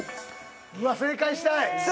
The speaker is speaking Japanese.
うわ正解したい